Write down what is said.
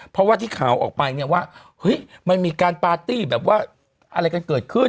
เพราะว่าที่ข่าวออกไปเนี่ยว่าเฮ้ยมันมีการปาร์ตี้แบบว่าอะไรกันเกิดขึ้น